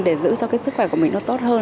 để giữ cho cái sức khỏe của mình nó tốt hơn